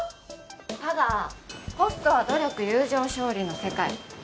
ただホストは努力友情勝利の世界。